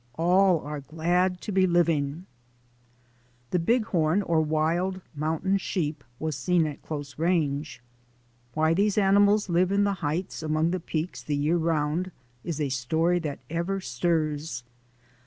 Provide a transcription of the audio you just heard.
All are glad to be living. i 9 2 THE ADVENTURES OF A NATURE GUIDE The Bighorn, or wild mountain sheep, was seen at close range. Why these animals live in the heights among the peaks the year round is a story that ever stirs.